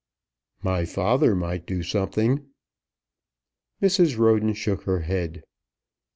"My father might do something." Mrs. Roden shook her head.